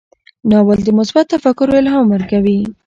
ناول د مثبت تفکر الهام ورکوي.